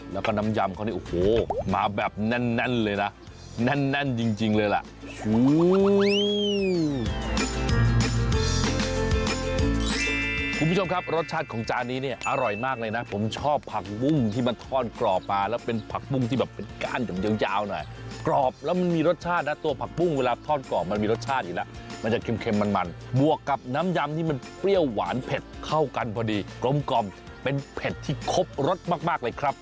แล้วก็น้ำยำเขานี่โอ้โหมาแบบแน่นเลยนะแน่นจริงเลยล่ะ